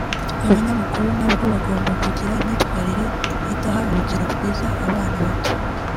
ˮAbanyamakuru ntabwo bagomba kugira imyitwarire idaha urugero rwiza abana batoˮ